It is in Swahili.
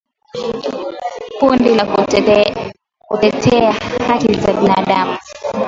Kundi la kutetea haki za binadamu